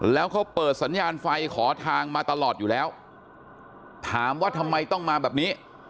แล้วเขาเปิดสัญญาณไฟขอทางมาตลอดอยู่แล้วถามว่าทำไมต้องมาแบบนี้